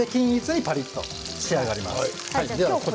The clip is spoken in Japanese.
均一にパリっと仕上がります。